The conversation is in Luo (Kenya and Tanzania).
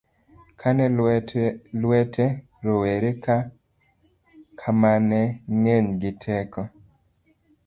kane lwete rowera ka mane ng'eny gi teko